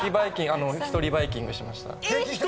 １人バイキングしました。